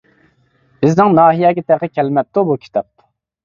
بىزنىڭ ناھىيەگە تېخى كەلمەپتۇ بۇ كىتاب.